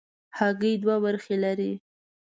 هګۍ دوه برخې لري.